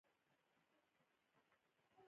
که دروغ وايم ګونګې دې شمه